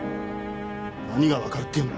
何がわかるっていうんだ。